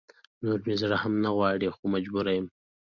نور مې زړه هم نه غواړي خو مجبوره يم